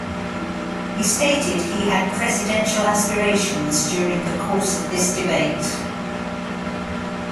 He stated he had presidential aspirations during the course of this debate.